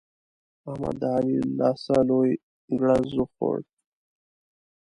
احمد د علي له لاسه لوی ګړز وخوړ.